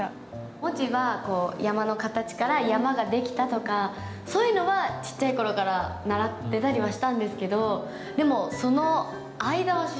文字は山の形から「山」が出来たとかそういうのはちっちゃい頃から習ってたりはしたんですけどでもその間は知らなかったのでなかなか。